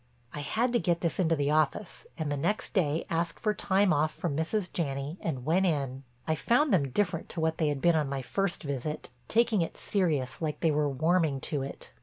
I had to get this into the office and the next day asked for time off from Mrs. Janney and went in. I found them different to what they had been on my first visit, taking it serious like they were warming to it.